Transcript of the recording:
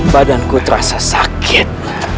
badanku terasa sakit